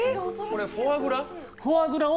これフォアグラ？